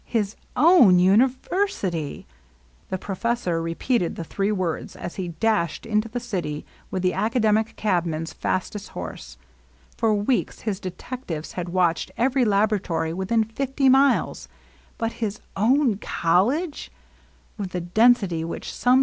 His own university ! The professor repeated the three words, as he dashed into the city with the academic cabman's fastest horse. For weeks his detectives had watched every laboratory within fifty miles. But — his own col Uge I With a>e L% wMeh «««tb.